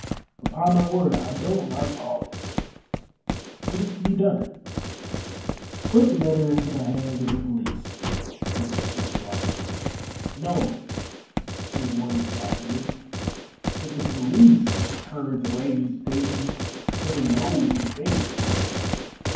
"Upon my word, I don't like all this. What is to be done?" "Put the letter into the hands of the police," suggested his wife. "No," said Morley decisively; "if the police heard the ravings of Daisy, Heaven knows what they would think."